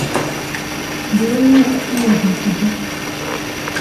¿Bueñe iobisɨde?